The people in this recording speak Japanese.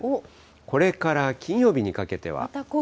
これから金曜日にかけては。